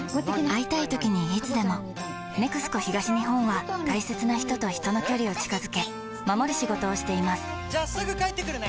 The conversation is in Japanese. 会いたいときにいつでも「ＮＥＸＣＯ東日本」は大切な人と人の距離を近づけ守る仕事をしていますじゃあすぐ帰ってくるね！